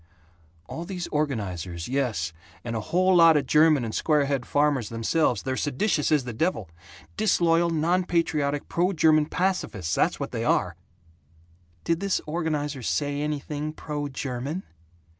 "All these organizers, yes, and a whole lot of the German and Squarehead farmers themselves, they're seditious as the devil disloyal, non patriotic, pro German pacifists, that's what they are!" "Did this organizer say anything pro German?"